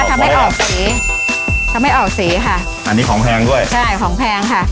ทำให้ออกสีทำให้ออกสีค่ะอันนี้ของแพงด้วยใช่ของแพงค่ะ